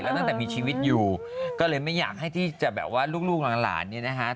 ไม่มีชีวิตอยู่ก็เลยไม่อยากให้ลูกร้านนี่นะฮะ